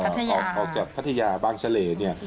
พัทยาพัทยาบ้างเฉลยเนี่ย